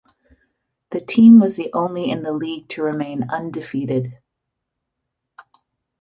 The team was the only in the league to remain undefeated.